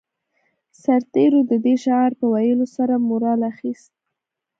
سرتېرو د دې شعار په ويلو سره مورال اخیست